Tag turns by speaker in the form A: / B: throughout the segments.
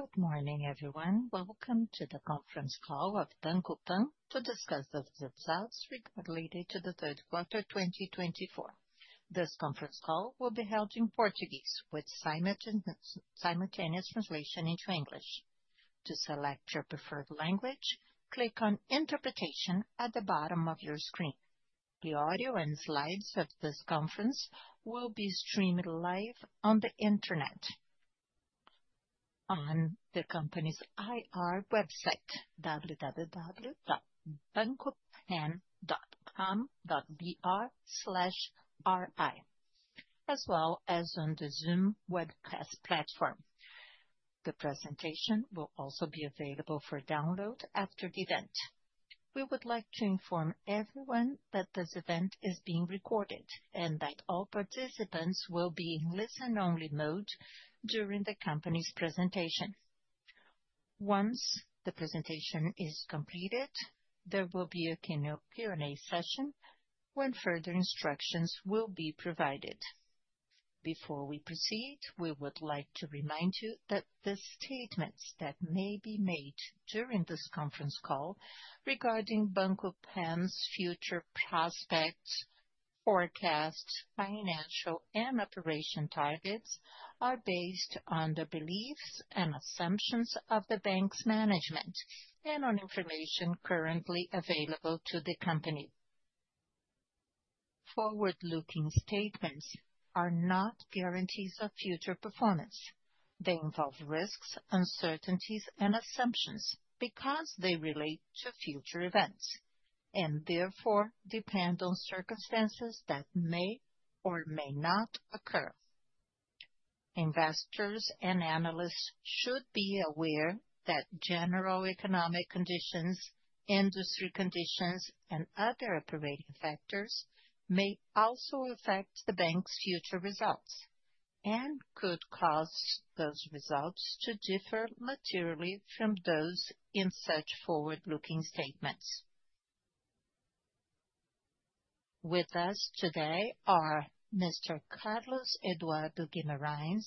A: Good morning, everyone. Welcome to the conference call of Banco Pan to discuss the results related to the third quarter 2024. This conference call will be held in Portuguese with simultaneous translation into English. To select your preferred language, click on "Interpretation" at the bottom of your screen. The audio and slides of this conference will be streamed live on the internet on the company's IR website, www.bancopan.com.br/ri, as well as on the Zoom webcast platform. The presentation will also be available for download after the event. We would like to inform everyone that this event is being recorded and that all participants will be in listen-only mode during the company's presentation. Once the presentation is completed, there will be a Q&A session when further instructions will be provided. Before we proceed, we would like to remind you that the statements that may be made during this conference call regarding Banco Pan's future prospects, forecasts, financial, and operation targets are based on the beliefs and assumptions of the bank's management and on information currently available to the company. Forward-looking statements are not guarantees of future performance. They involve risks, uncertainties, and assumptions because they relate to future events and therefore depend on circumstances that may or may not occur. Investors and analysts should be aware that general economic conditions, industry conditions, and other operating factors may also affect the bank's future results and could cause those results to differ materially from those in such forward-looking statements. With us today are Mr. Carlos Eduardo Guimarães,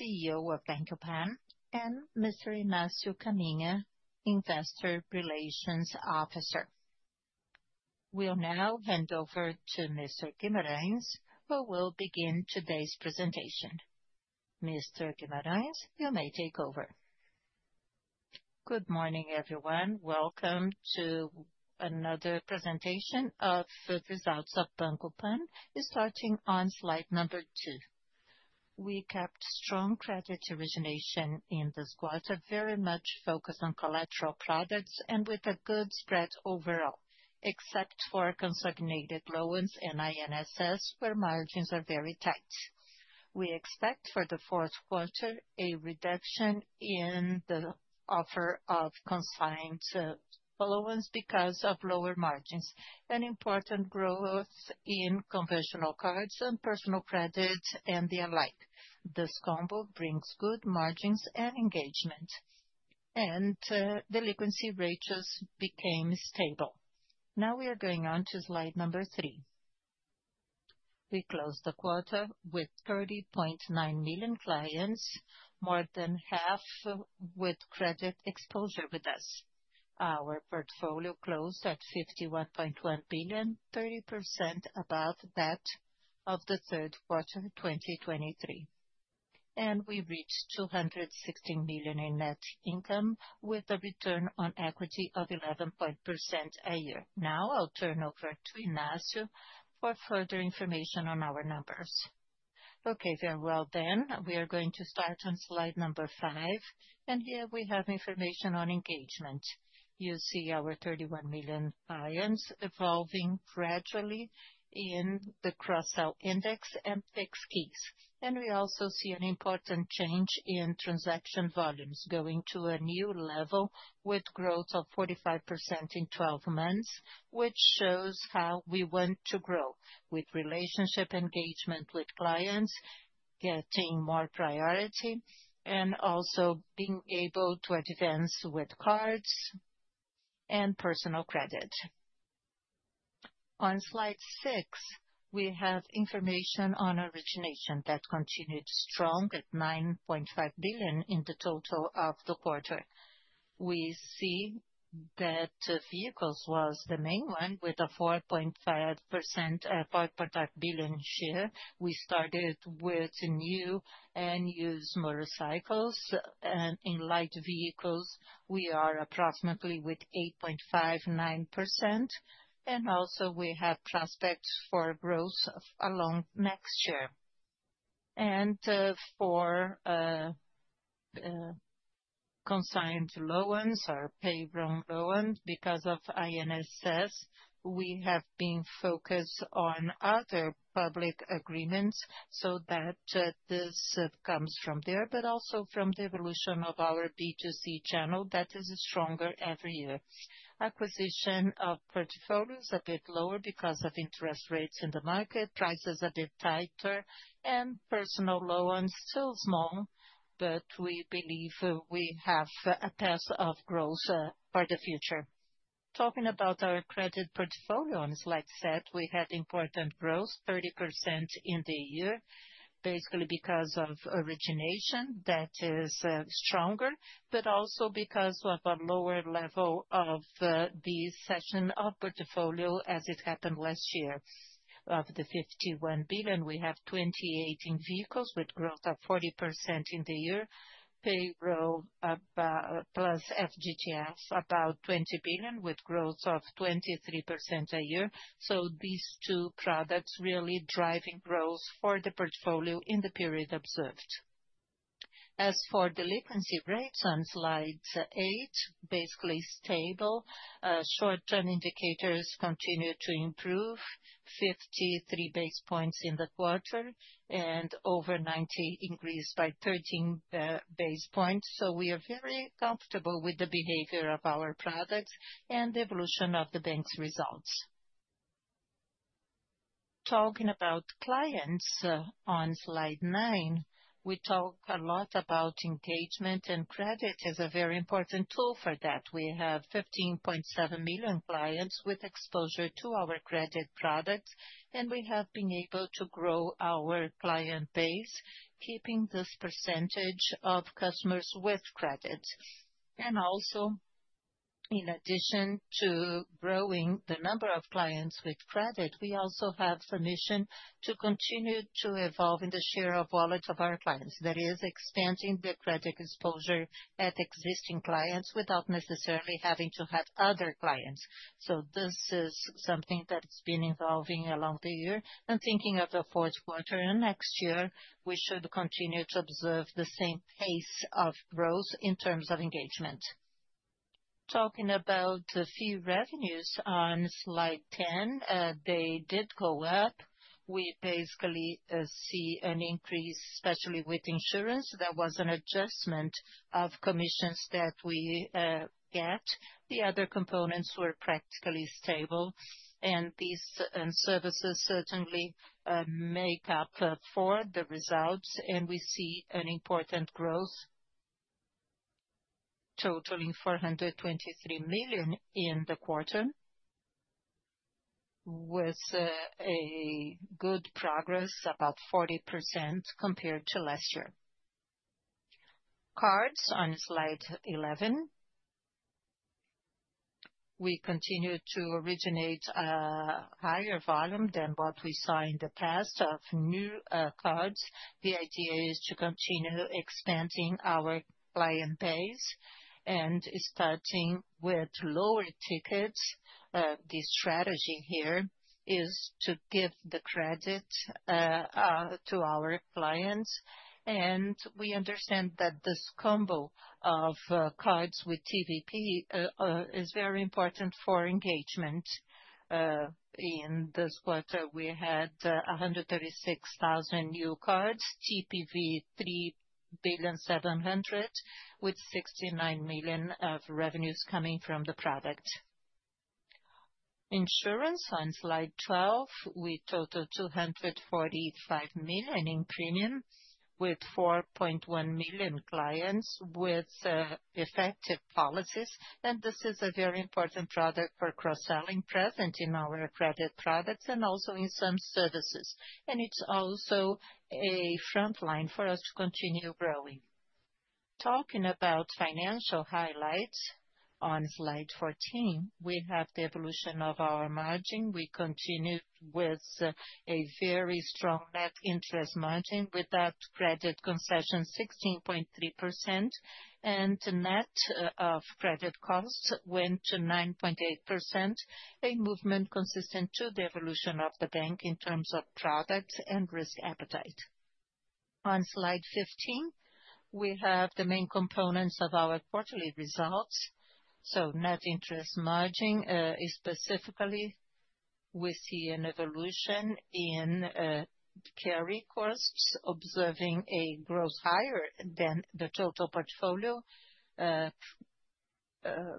A: CEO of Banco Pan, and Mr. Inácio Caminha, Investor Relations Officer. We'll now hand over to Mr. Guimarães, who will begin today's presentation. Mr. Guimarães, you may take over.
B: Good morning, everyone. Welcome to another presentation of the results of Banco Pan, starting on slide number two. We kept strong credit origination in the quarter, very much focused on collateral products and with a good spread overall, except for consigned loans and INSS, where margins are very tight. We expect for the fourth quarter a reduction in the offer of consigned loans because of lower margins and important growth in conventional cards and personal credit and the like. This combo brings good margins and engagement, and the liquidity ratios became stable. Now we are going on to slide number three. We closed the quarter with 30.9 million clients, more than half with credit exposure with us. Our portfolio closed at 51.1 billion, 30% above that of the third quarter 2023.We reached 216 million in net income with a return on equity of 11.5% a year. Now I'll turn over to Inácio for further information on our numbers.
C: Okay, very well then. We are going to start on slide number five, and here we have information on engagement. You see our 31 million clients evolving gradually in the cross-sell index and fixed keys. We also see an important change in transaction volumes going to a new level with growth of 45% in 12 months, which shows how we want to grow with relationship engagement with clients, getting more priority, and also being able to advance with cards and personal credit. On slide six, we have information on origination that continued strong at 9.5 billion in the total of the quarter. We see that vehicles was the main one with a 4.5 billion, 55% share. We started with new and used motorcycles. In light vehicles, we are approximately with 8.59%. And also we have prospects for growth along next year. And for consigned loans or payroll loans, because of INSS, we have been focused on other public agreements so that this comes from there, but also from the evolution of our B2C channel that is stronger every year. Acquisition of portfolios a bit lower because of interest rates in the market, prices a bit tighter, and personal loans still small, but we believe we have a path of growth for the future. Talking about our credit portfolio, on slide set, we had important growth, 30% in the year, basically because of origination that is stronger, but also because of a lower level of the cession of portfolio as it happened last year. Of the 51 billion, we have 28 billion in vehicles with growth of 40% in the year, payroll + FGTS about 20 billion with growth of 23% a year. So these two products really driving growth for the portfolio in the period observed. As for the liquidity rates on slides eight, basically stable, short-term indicators continue to improve, 53 basis points in the quarter and over 90 increased by 13 basis points. So we are very comfortable with the behavior of our products and the evolution of the bank's results. Talking about clients on slide nine, we talk a lot about engagement and credit is a very important tool for that. We have 15.7 million clients with exposure to our credit products, and we have been able to grow our client base, keeping this percentage of customers with credit. Also, in addition to growing the number of clients with credit, we also have the mission to continue to evolve in the share of wallet of our clients. That is, expanding the credit exposure at existing clients without necessarily having to have other clients. This is something that's been evolving along the year. Thinking of the fourth quarter and next year, we should continue to observe the same pace of growth in terms of engagement. Talking about the fee revenues on slide 10, they did go up. We basically see an increase, especially with insurance. There was an adjustment of commissions that we get. The other components were practically stable. These services certainly make up for the results. We see an important growth, totaling 423 million in the quarter, with a good progress, about 40% compared to last year. Cards on slide 11. We continue to originate a higher volume than what we saw in the past of new cards. The idea is to continue expanding our client base and starting with lower tickets. The strategy here is to give the credit to our clients. We understand that this combo of cards with TPV is very important for engagement. In this quarter, we had 136,000 new cards, TPV 3,700 million, with 69 million of revenues coming from the product. Insurance on slide 12. We total 245 million in premiums with 4.1 million clients with effective policies. This is a very important product for cross-selling present in our credit products and also in some services. It's also a front line for us to continue growing. Talking about financial highlights on slide 14, we have the evolution of our margin. We continued with a very strong net interest margin with that credit concession, 16.3%, and net of credit costs went to 9.8%, a movement consistent to the evolution of the bank in terms of products and risk appetite. On slide 15, we have the main components of our quarterly results. So net interest margin is specifically, we see an evolution in carry costs, observing a growth higher than the total portfolio,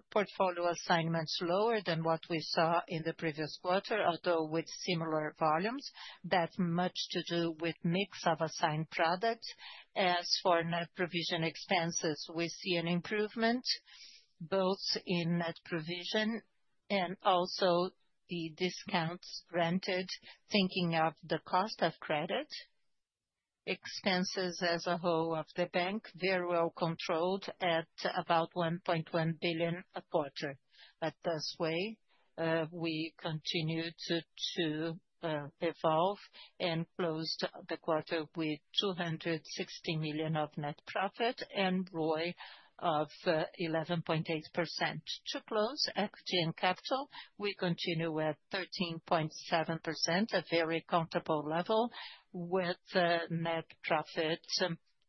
C: portfolio assignments lower than what we saw in the previous quarter, although with similar volumes. That's much to do with mix of assigned products. As for net provision expenses, we see an improvement both in net provision and also the discounts granted, thinking of the cost of credit. Expenses as a whole of the bank, very well controlled at about 1.1 billion a quarter. But this way, we continue to evolve and closed the quarter with 260 million of net profit and ROI of 11.8%. To close equity and capital, we continue at 13.7%, a very comfortable level with net profits.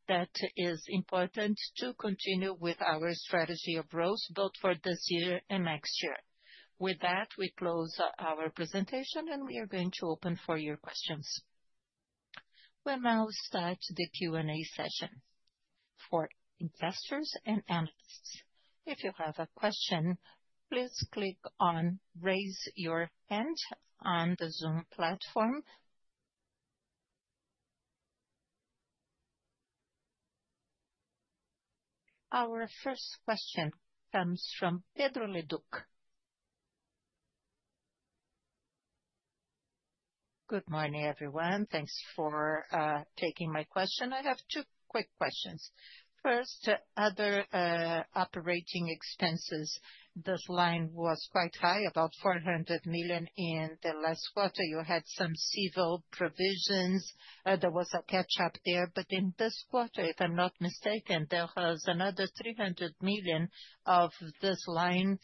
C: That is important to continue with our strategy of growth both for this year and next year. With that, we close our presentation, and we are going to open for your questions. We'll now start the Q&A session for investors and analysts. If you have a question, please click on "Raise Your Hand" on the Zoom platform.
A: Our first question comes from Pedro Leduc. Good morning, everyone. Thanks for taking my question. I have two quick questions. First, other operating expenses, this line was quite high, about 400 million in the last quarter. You had some civil provisions. There was a catch-up there. But in this quarter, if I'm not mistaken, there was another 300 million of this line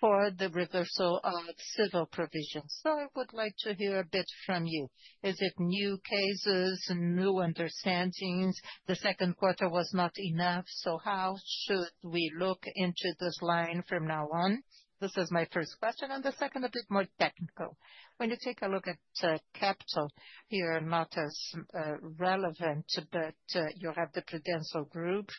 A: for the reversal of civil provisions. So I would like to hear a bit from you. Is it new cases, new understandings? The second quarter was not enough. So how should we look into this line from now on? This is my first question. And the second, a bit more technical. When you take a look at capital, you're not as relevant, but you have the Prudential Group,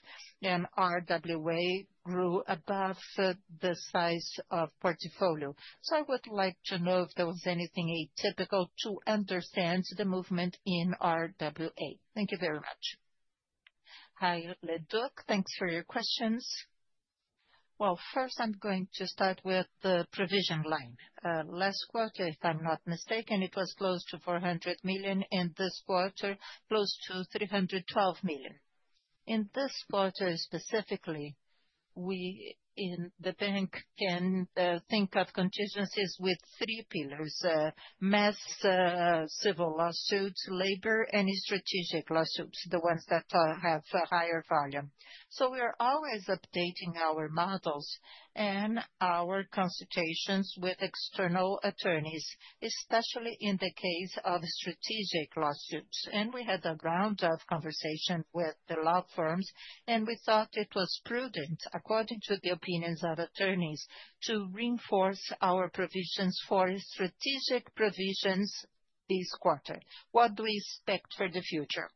A: and RWA grew above the size of portfolio. So I would like to know if there was anything atypical to understand the movement in RWA. Thank you very much.
B: Hi Leduc, thanks for your questions. Well, first I'm going to start with the provision line. Last quarter, if I'm not mistaken, it was close to 400 million in this quarter, close to 312 million. In this quarter specifically, we in the bank can think of contingencies with three pillars: mass civil lawsuits, labor, and strategic lawsuits, the ones that have a higher volume, so we are always updating our models and our consultations with external attorneys, especially in the case of strategic lawsuits. And we had a round of conversation with the law firms, and we thought it was prudent, according to the opinions of attorneys, to reinforce our provisions for strategic provisions this quarter. What do we expect for the future?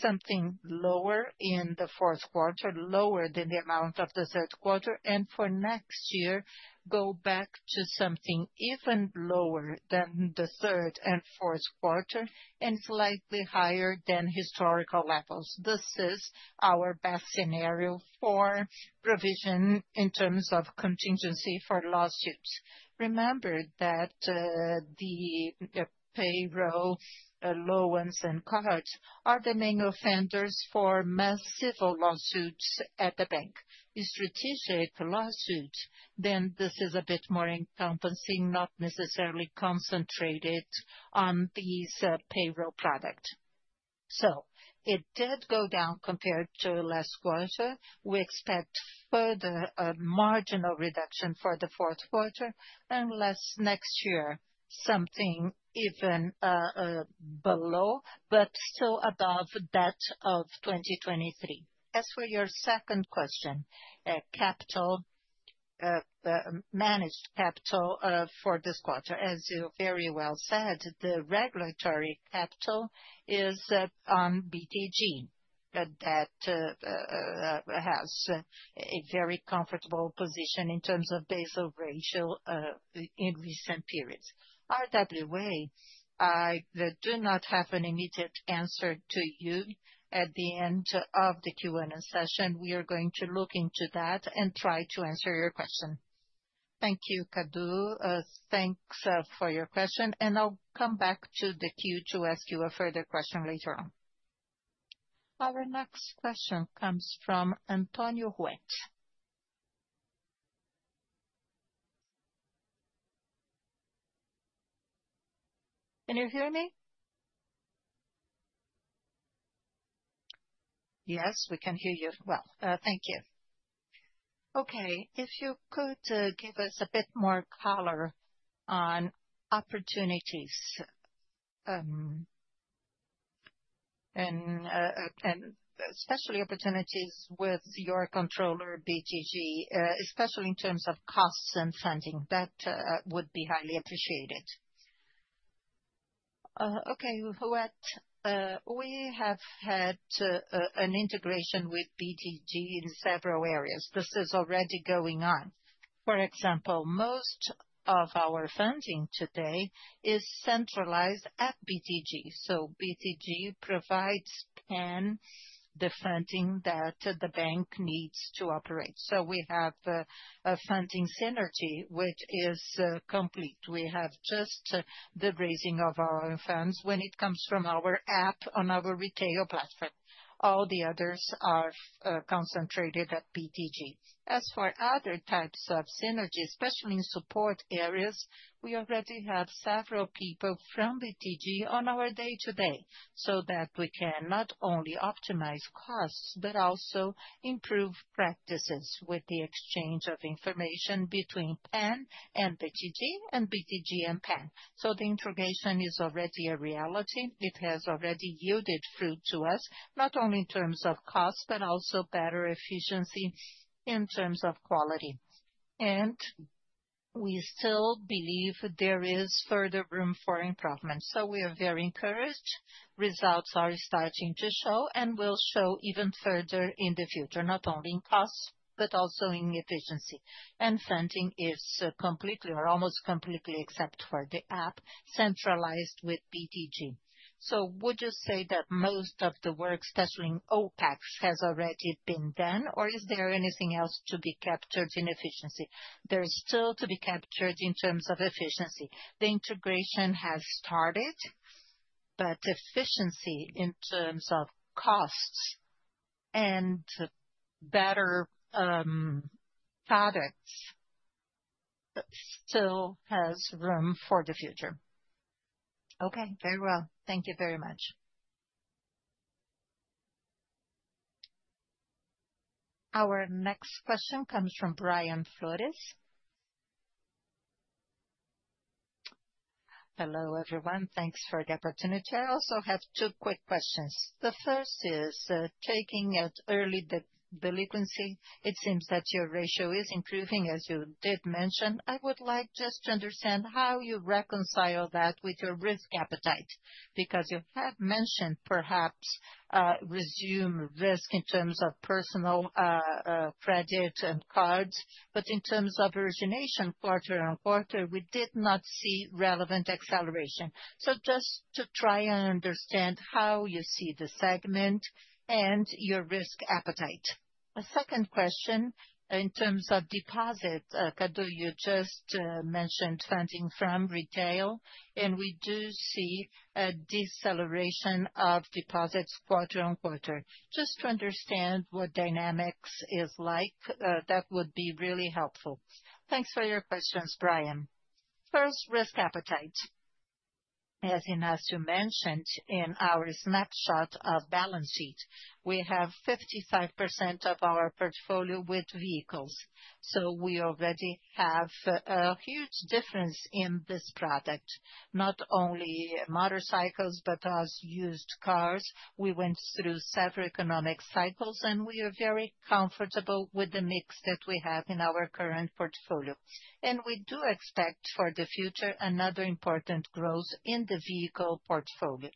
B: Something lower in the fourth quarter, lower than the amount of the third quarter, and for next year, go back to something even lower than the third and fourth quarter and slightly higher than historical levels. This is our best scenario for provision in terms of contingency for lawsuits. Remember that the payroll loans and cards are the main offenders for mass civil lawsuits at the bank. If strategic lawsuits, then this is a bit more encompassing, not necessarily concentrated on these payroll products. So it did go down compared to last quarter. We expect further marginal reduction for the fourth quarter unless next year something even below, but still above that of 2023. As for your second question, capital, managed capital for this quarter, as you very well said, the regulatory capital is on BTG. That has a very comfortable position in terms of Basel ratio in recent periods. RWA, I do not have an immediate answer to you at the end of the Q&A session. We are going to look into that and try to answer your question. Thank you, Cadu. Thanks for your question. I'll come back to the queue to ask you a further question later on.
A: Our next question comes from Antonio Ruette. Can you hear me? Yes, we can hear you well. Thank you. Okay. If you could give us a bit more color on opportunities, and especially opportunities with your controller, BTG, especially in terms of costs and funding, that would be highly appreciated.
B: Okay, Ruette, we have had an integration with BTG in several areas. This is already going on. For example, most of our funding today is centralized at BTG. So BTG provides and the funding that the bank needs to operate. So we have a funding synergy, which is complete. We have just the raising of our funds when it comes from our app on our retail platform. All the others are concentrated at BTG. As for other types of synergy, especially in support areas, we already have several people from BTG on our day-to-day so that we can not only optimize costs, but also improve practices with the exchange of information between Pan and BTG and BTG and Pan. So the integration is already a reality. It has already yielded fruit to us, not only in terms of cost, but also better efficiency in terms of quality. And we still believe there is further room for improvement. So we are very encouraged. Results are starting to show, and we'll show even further in the future, not only in cost, but also in efficiency. And funding is completely or almost completely except for the app centralized with BTG. So would you say that most of the work especially in OpEx has already been done, or is there anything else to be captured in efficiency? There's still to be captured in terms of efficiency. The integration has started, but efficiency in terms of costs and better products still has room for the future. Okay, very well. Thank you very much.
A: Our next question comes from Brian Flores. Hello, everyone. Thanks for the opportunity. I also have two quick questions. The first is taking early delinquency. It seems that your ratio is improving, as you did mention. I would like just to understand how you reconcile that with your risk appetite, because you have mentioned perhaps resume risk in terms of personal credit and cards, but in terms of origination quarter on quarter, we did not see relevant acceleration. So just to try and understand how you see the segment and your risk appetite. A second question in terms of deposits, Cadu, you just mentioned funding from retail, and we do see a deceleration of deposits quarter on quarter. Just to understand what dynamics is like, that would be really helpful.
C: Thanks for your questions, Brian. First, risk appetite. As you mentioned in our snapshot of balance sheet, we have 55% of our portfolio with vehicles. So we already have a huge difference in this product, not only motorcycles, but as used cars. We went through several economic cycles, and we are very comfortable with the mix that we have in our current portfolio, and we do expect for the future another important growth in the vehicle portfolio.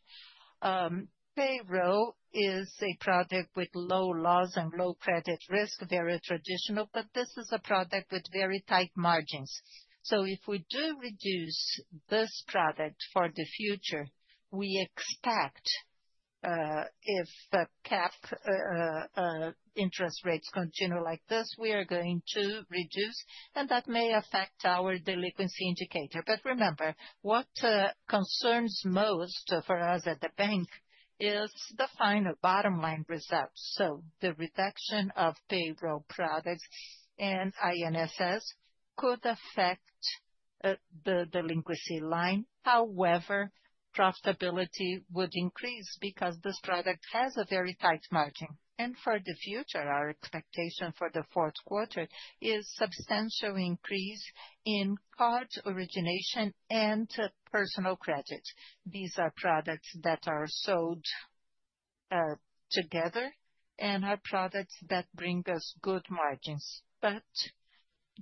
C: Payroll is a product with low loss and low credit risk, very traditional, but this is a product with very tight margins. So if we do reduce this product for the future, we expect if CAP interest rates continue like this, we are going to reduce, and that may affect our delinquency indicator. But remember, what concerns most for us at the bank is the final bottom line results. So the reduction of payroll products and INSS could affect the delinquency line. However, profitability would increase because this product has a very tight margin. And for the future, our expectation for the fourth quarter is substantial increase in card origination and personal credit. These are products that are sold together and are products that bring us good margins, but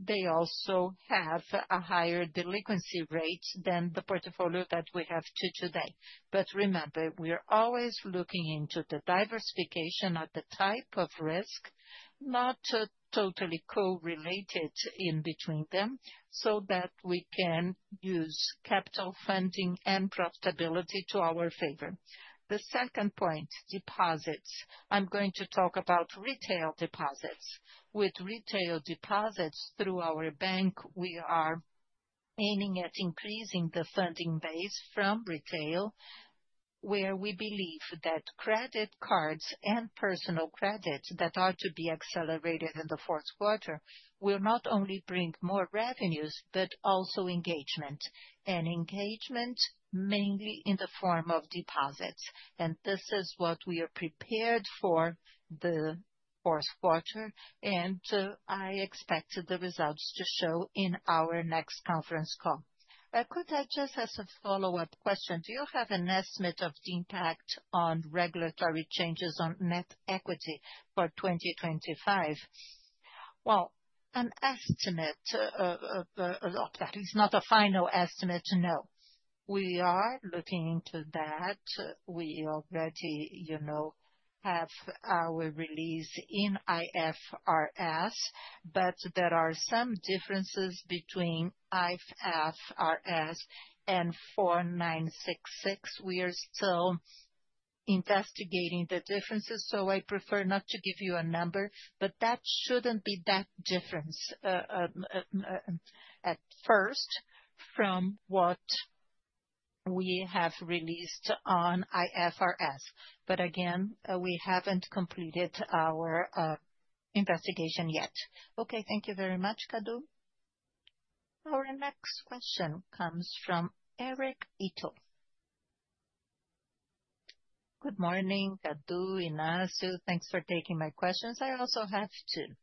C: they also have a higher delinquency rate than the portfolio that we have today. But remember, we are always looking into the diversification of the type of risk, not totally correlated in between them, so that we can use capital funding and profitability to our favor. The second point, deposits. I'm going to talk about retail deposits. With retail deposits through our bank, we are aiming at increasing the funding base from retail, where we believe that credit cards and personal credit that are to be accelerated in the fourth quarter will not only bring more revenues, but also engagement. And engagement mainly in the form of deposits. And this is what we are prepared for the fourth quarter, and I expect the results to show in our next conference call. I could add just as a follow-up question, do you have an estimate of the impact on regulatory changes on net equity for 2025? Well, an estimate, that is not a final estimate, no. We are looking into that. We already have our release in IFRS, but there are some differences between IFRS and 4966. We are still investigating the differences, so I prefer not to give you a number, but that shouldn't be that different at first from what we have released on IFRS. But again, we haven't completed our investigation yet. Okay, thank you very much, Cadu.
A: Our next question comes from Eric Ito. Good morning, Cadu, Inácio. Thanks for taking my questions. I also have two.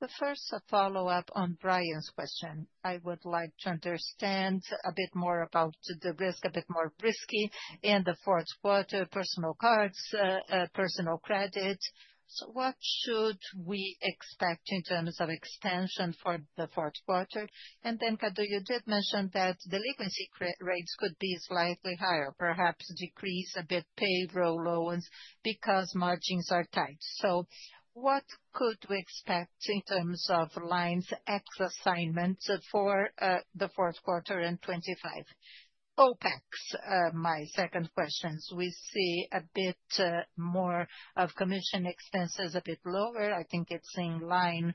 A: The first, a follow-up on Brian's question. I would like to understand a bit more about the risk, a bit more risky in the fourth quarter, personal cards, personal credit. So what should we expect in terms of expansion for the fourth quarter? And then, Cadu, you did mention that delinquency rates could be slightly higher, perhaps decrease a bit payroll loans because margins are tight. So what could we expect in terms of lines, ex assignments for the fourth quarter and 2025? OpEx, my second question. We see a bit more of commission expenses, a bit lower. I think it's in line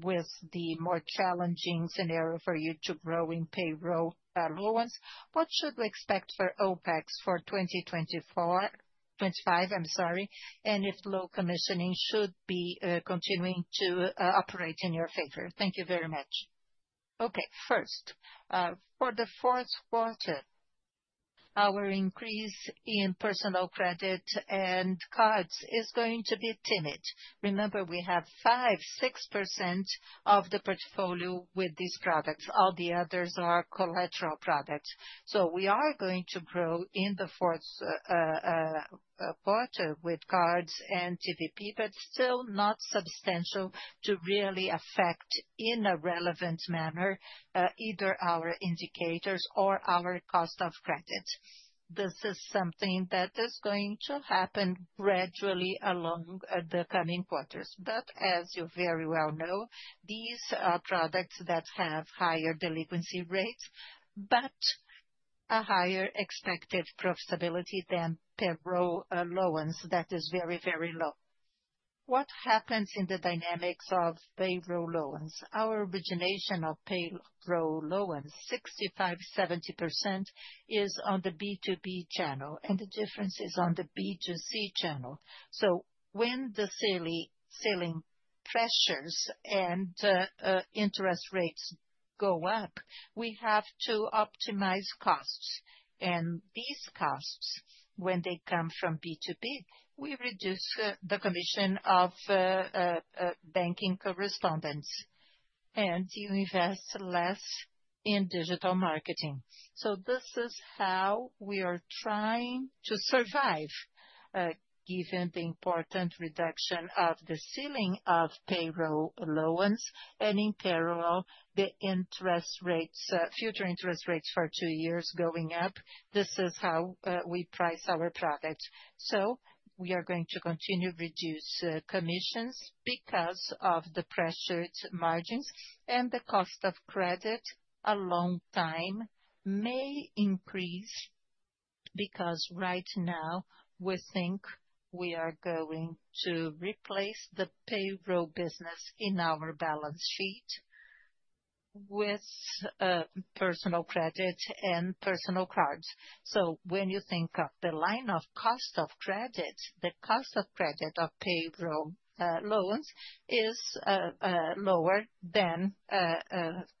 A: with the more challenging scenario for you to grow in payroll loans. What should we expect for OpEx for 2024, 2025, I'm sorry? And if low commissioning should be continuing to operate in your favor? Thank you very much.
C: Okay, first, for the fourth quarter, our increase in personal credit and cards is going to be timid. Remember, we have 5%-6% of the portfolio with these products. All the others are collateral products. We are going to grow in the fourth quarter with cards and TPV, but still not substantial to really affect in a relevant manner either our indicators or our cost of credit. This is something that is going to happen gradually along the coming quarters. But as you very well know, these are products that have higher delinquency rates, but a higher expected profitability than payroll loans. That is very, very low. What happens in the dynamics of payroll loans? Our origination of payroll loans, 65%-70% is on the B2B channel, and the difference is on the B2C channel. So when the ceiling pressures and interest rates go up, we have to optimize costs. And these costs, when they come from B2B, we reduce the commission of banking correspondence, and you invest less in digital marketing. This is how we are trying to survive, given the important reduction of the ceiling of payroll loans and, in parallel, the interest rates, future interest rates for two years going up. This is how we price our products. We are going to continue to reduce commissions because of the pressured margins, and the cost of credit in the long term may increase because right now we think we are going to replace the payroll business in our balance sheet with personal credit and personal cards. When you think of the line of cost of credit, the cost of credit of payroll loans is lower than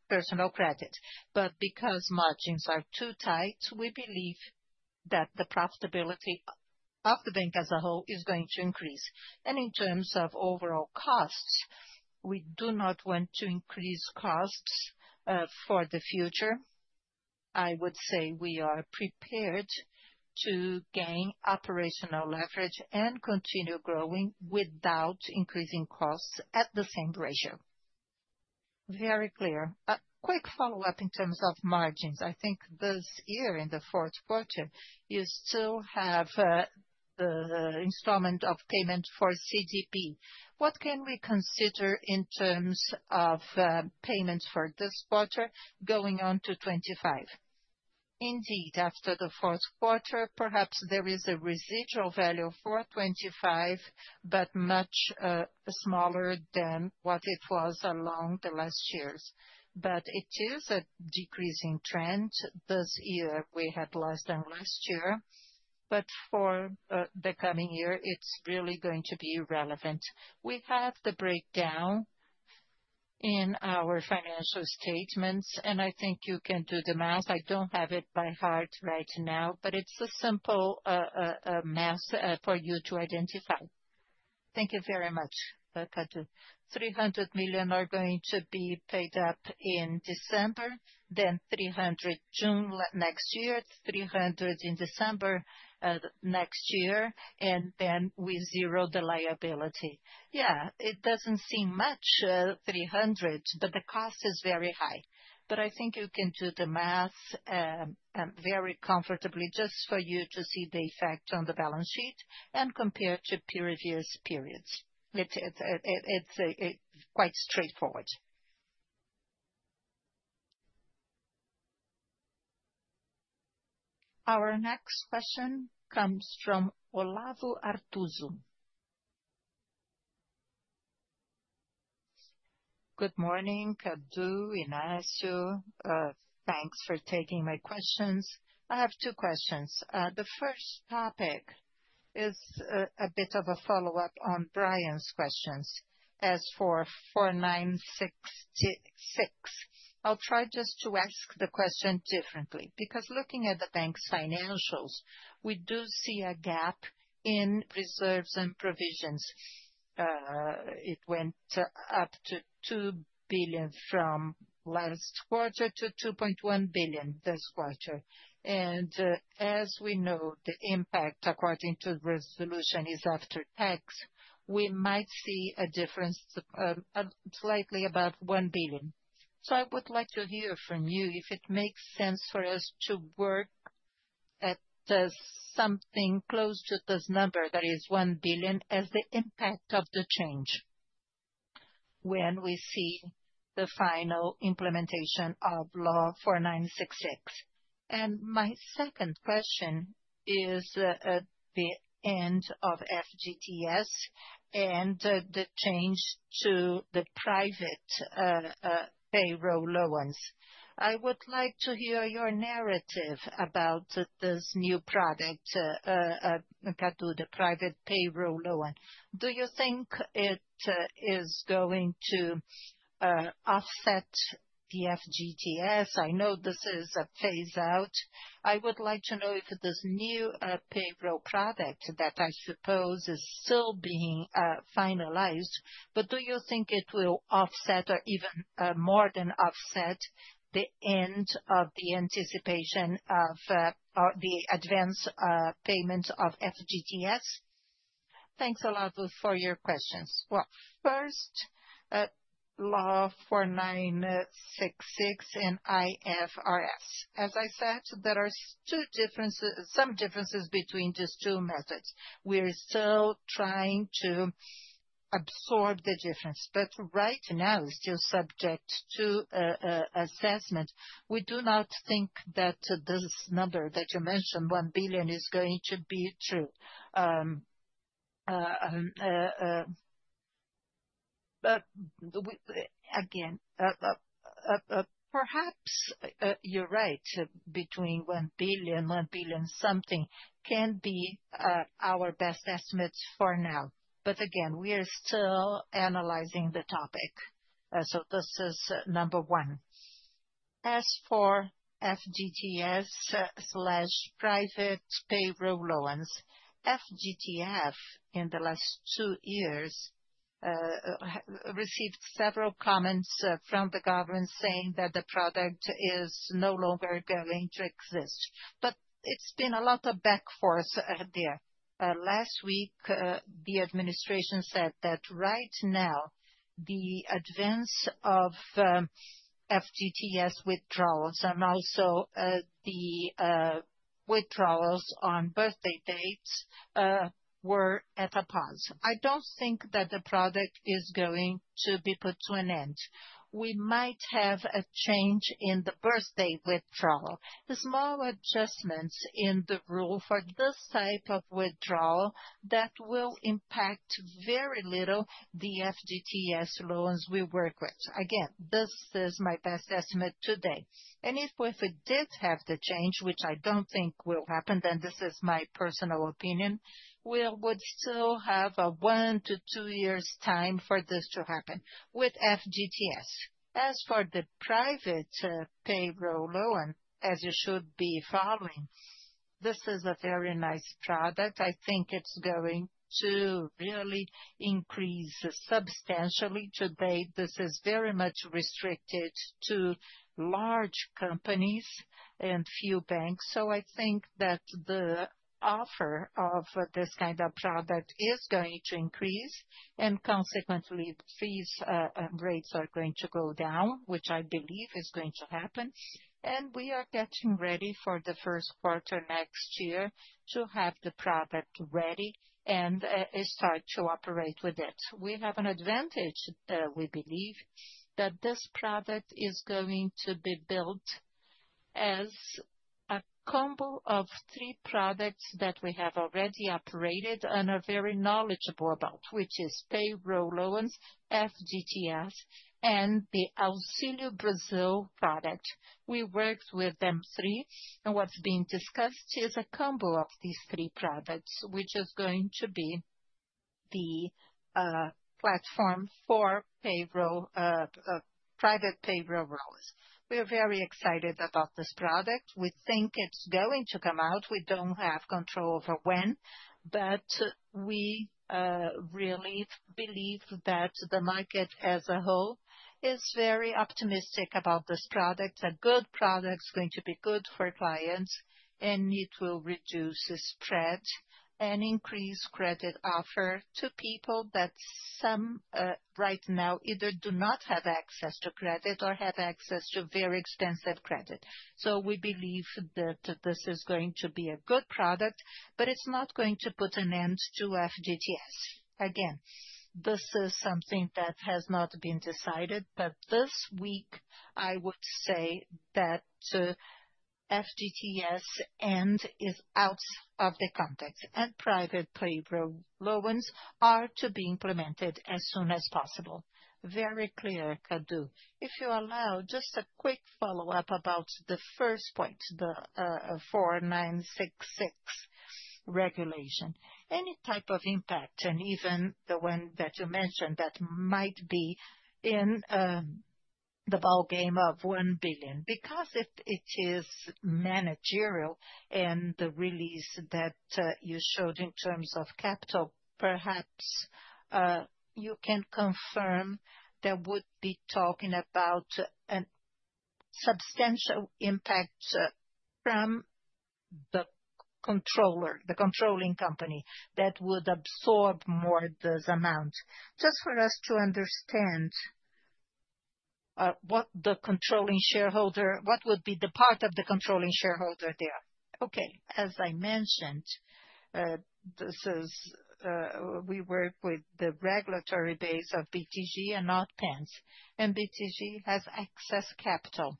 C: personal credit. But because margins are too tight, we believe that the profitability of the bank as a whole is going to increase. In terms of overall costs, we do not want to increase costs for the future. I would say we are prepared to gain operational leverage and continue growing without increasing costs at the same ratio. Very clear. A quick follow-up in terms of margins. I think this year in the fourth quarter, you still have the installment of payment for CDP. What can we consider in terms of payments for this quarter going on to 2025? Indeed, after the fourth quarter, perhaps there is a residual value for 2025, but much smaller than what it was along the last years. But it is a decreasing trend. This year we had less than last year. But for the coming year, it's really going to be relevant. We have the breakdown in our financial statements, and I think you can do the math. I don't have it by heart right now, but it's a simple math for you to identify. Thank you very much, Cadu. 300 million are going to be paid up in December, then 300 million in June next year, 300 million in December next year, and then we zero the liability. Yeah, it doesn't seem much, 300, but the cost is very high. But I think you can do the math very comfortably just for you to see the effect on the balance sheet and compare to previous periods. It's quite straightforward.
A: Our next question comes from Olavo Arthuzo. Good morning, Cadu, Inácio. Thanks for taking my questions. I have two questions. The first topic is a bit of a follow-up on Brian's questions as for 4966. I'll try just to ask the question differently because looking at the bank's financials, we do see a gap in reserves and provisions. It went up from 2 billion last quarter to 2.1 billion this quarter. As we know, the impact according to resolution is after tax. We might see a difference slightly above 1 billion. I would like to hear from you if it makes sense for us to work at something close to this number that is 1 billion as the impact of the change when we see the final implementation of law 4966. My second question is the end of FGTS and the change to the private payroll loans. I would like to hear your narrative about this new product, Cadu, the private payroll loan. Do you think it is going to offset the FGTS? I know this is a phase-out. I would like to know if this new payroll product that I suppose is still being finalized, but do you think it will offset or even more than offset the end of the anticipation of the advance payment of FGTS?
B: Thanks, Olavo, for your questions. First, law 4966 and IFRS. As I said, there are some differences between these two methods. We're still trying to absorb the difference, but right now it's still subject to assessment. We do not think that this number that you mentioned, 1 billion, is going to be true. Again, perhaps you're right between 1 billion, 1 billion something can be our best estimates for now. But again, we are still analyzing the topic. So this is number one. As for FGTS/private payroll loans, FGTS in the last two years received several comments from the government saying that the product is no longer going to exist. But it's been a lot of back and forth there. Last week, the administration said that right now the advance of FGTS withdrawals and also the withdrawals on birthday dates were on pause. I don't think that the product is going to be put an end to. We might have a change in the birthday withdrawal, small adjustments in the rule for this type of withdrawal that will impact very little the FGTS loans we work with. Again, this is my best estimate today. And if we did have the change, which I don't think will happen, then this is my personal opinion, we would still have a one- to two-years' time for this to happen with FGTS. As for the private payroll loan, as you should be following, this is a very nice product. I think it's going to really increase substantially. Today, this is very much restricted to large companies and few banks. So I think that the offer of this kind of product is going to increase, and consequently, fees and rates are going to go down, which I believe is going to happen, and we are getting ready for the first quarter next year to have the product ready and start to operate with it. We have an advantage. We believe that this product is going to be built as a combo of three products that we have already operated and are very knowledgeable about, which is payroll loans, FGTS, and the Auxílio Brasil product. We worked with them three, and what's being discussed is a combo of these three products, which is going to be the platform for private payroll loans. We are very excited about this product. We think it's going to come out. We don't have control over when, but we really believe that the market as a whole is very optimistic about this product. A good product is going to be good for clients, and it will reduce spread and increase credit offer to people that some right now either do not have access to credit or have access to very extensive credit, so we believe that this is going to be a good product, but it's not going to put an end to FGTS. Again, this is something that has not been decided, but this week, I would say that FGTS lending is out of the context, and private payroll loans are to be implemented as soon as possible. Very clear, Cadu. If you allow, just a quick follow-up about the first point, the 4966 regulation. Any type of impact, and even the one that you mentioned that might be in the ballgame of 1 billion, because if it is managerial and the release that you showed in terms of capital, perhaps you can confirm that would be talking about a substantial impact from the controller, the controlling company that would absorb more of this amount. Just for us to understand what the controlling shareholder, what would be the part of the controlling shareholder there. Okay. As I mentioned, we work with the regulatory base of BTG and PAN's, and BTG has excess capital.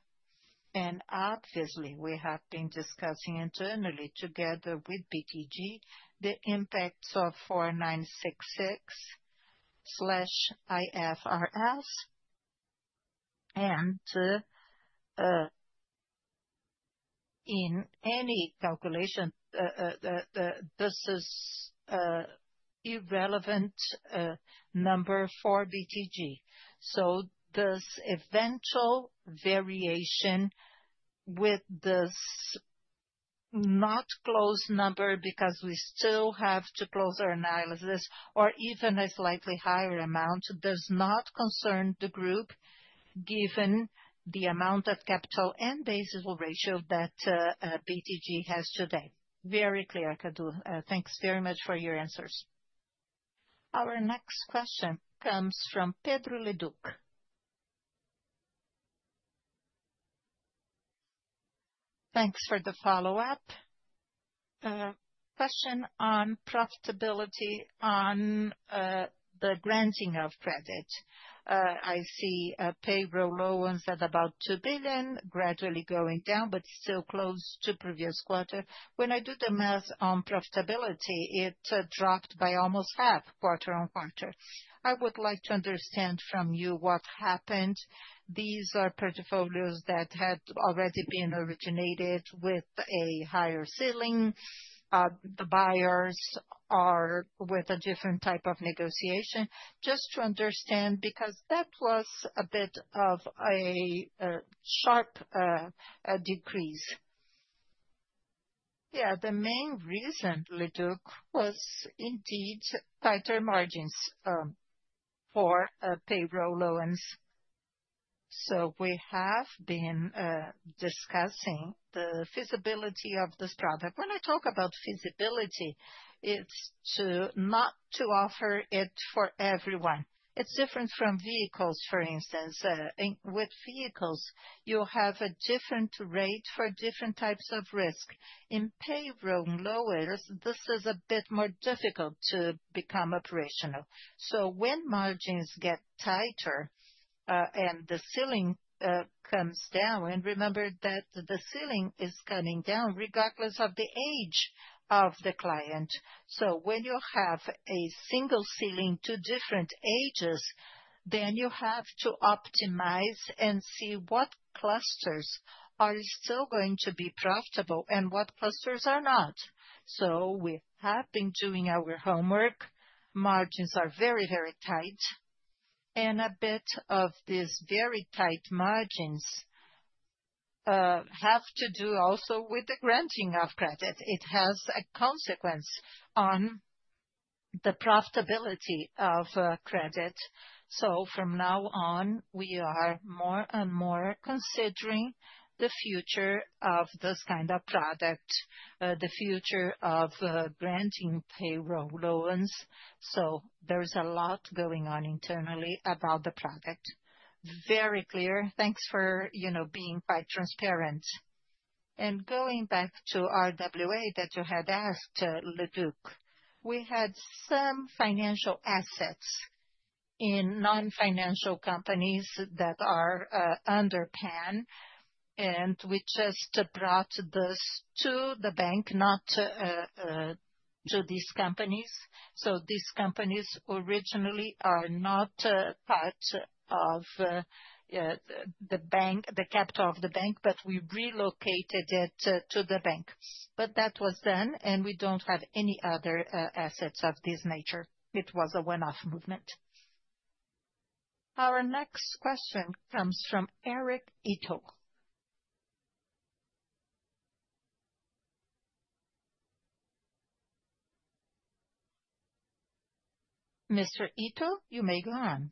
B: Obviously, we have been discussing internally together with BTG the impacts of 4966/IFRS. And in any calculation, this is an irrelevant number for BTG. So this eventual variation with this not closed number because we still have to close our analysis or even a slightly higher amount does not concern the group given the amount of capital and Basel ratio that BTG has today. Very clear, Cadu. Thanks very much for your answers.
A: Our next question comes from Pedro Leduc. Thanks for the follow-up. Question on profitability on the granting of credit. I see payroll loans at about 2 billion, gradually going down, but still close to previous quarter. When I do the math on profitability, it dropped by almost half quarter on quarter. I would like to understand from you what happened. These are portfolios that had already been originated with a higher ceiling. The buyers are with a different type of negotiation. Just to understand, because that was a bit of a sharp decrease.
C: Yeah, the main reason, Leduc, was indeed tighter margins for payroll loans. So we have been discussing the feasibility of this product. When I talk about feasibility, it's not to offer it for everyone. It's different from vehicles, for instance. With vehicles, you have a different rate for different types of risk. In payroll loans, this is a bit more difficult to become operational. So when margins get tighter and the ceiling comes down, and remember that the ceiling is coming down regardless of the age of the client. So when you have a single ceiling to different ages, then you have to optimize and see what clusters are still going to be profitable and what clusters are not. So we have been doing our homework. Margins are very, very tight, and a bit of these very tight margins have to do also with the granting of credit. It has a consequence on the profitability of credit. From now on, we are more and more considering the future of this kind of product, the future of granting payroll loans. There's a lot going on internally about the product. Very clear. Thanks for being quite transparent. Going back to RWA that you had asked, Leduc, we had some financial assets in non-financial companies that are under PAN, and we just brought this to the bank, not to these companies. These companies originally are not part of the bank, the capital of the bank, but we relocated it to the bank. That was done, and we don't have any other assets of this nature. It was a one-off movement.
A: Our next question comes from Eric Ito. Mr. Ito, you may go on.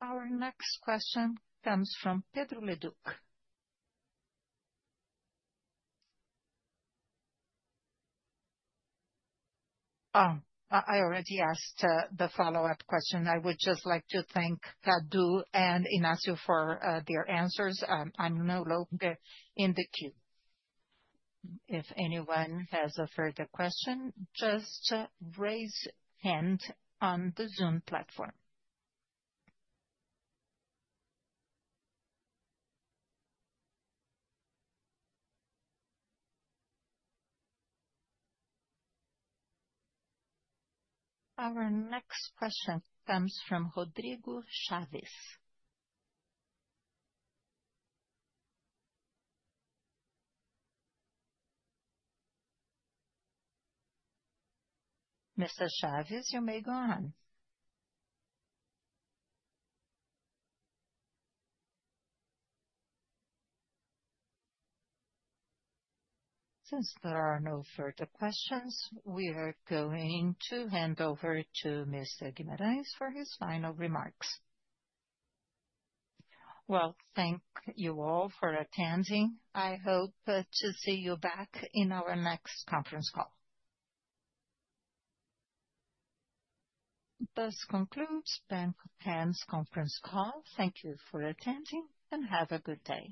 A: Our next question comes from Pedro Leduc. I already asked the follow-up question. I would just like to thank Cadu and Inácio for their answers. I'm no longer in the queue. If anyone has a further question, just raise your hand on the Zoom platform. Our next question comes from Rodrigo Chaves. Mr. Chaves, you may go on. Since there are no further questions, we are going to hand over to Mr. Guimarães for his final remarks.
B: Well, thank you all for attending. I hope to see you back in our next conference call.
A: This concludes Banco Pan's conference call. Thank you for attending and have a good day.